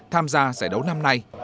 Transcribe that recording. tham gia giải đấu năm nay